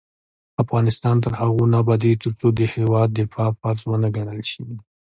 افغانستان تر هغو نه ابادیږي، ترڅو د هیواد دفاع فرض ونه ګڼل شي.